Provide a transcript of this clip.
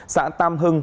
xã tam hưng